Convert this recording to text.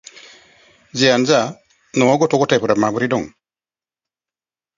जियानो जा, न'आव गथ' गथायफोरा माबोरै दं?